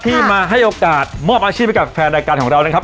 ที่มาให้โอกาสมอบอาจิปัตย์กับแฟนดักการณ์ของเรานะครับ